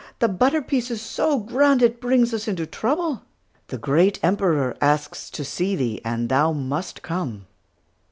the butter piece is so grand, it brings us into trouble. The great Emperor asks to see thee, and thou must come!"